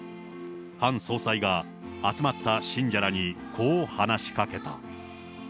ハン総裁が集まった信者らにこう話しかけた。